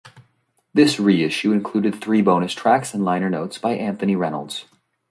This reissue included three bonus tracks and liner notes by Anthony Reynolds.